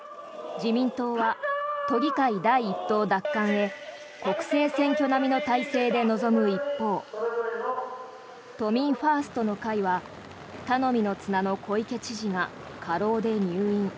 自民党は都議会第１党奪還へ国政選挙並みの態勢で臨む一方都民ファーストの会は頼みの綱の小池知事が過労で入院。